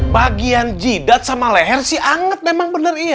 bagian jidat sama leher si anget emang bener iya